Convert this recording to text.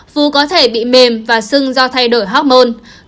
vú có thể bị mềm và sưng do thay đổi hormone